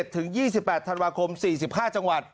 ถึง๒๘ธันวาคม๔๕จังหวัด